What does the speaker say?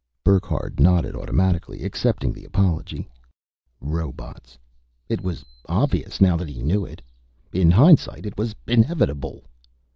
Burckhardt nodded automatically, accepting the apology. Robots. It was obvious, now that he knew it. In hindsight, it was inevitable.